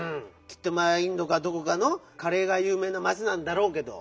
きっとまあインドかどこかのカレーがゆう名な町なんだろうけど。